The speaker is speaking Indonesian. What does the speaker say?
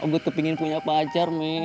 gua tuh pengen punya pacar men